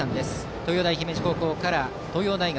東洋大姫路高校から東洋大学